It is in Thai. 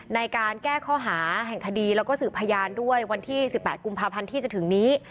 ในการแก้ข้อหาแห่งคดีแล้วก็สืบพยานด้วยวันที่๑๘กุมภาพันธ์ที่จะถึงนี้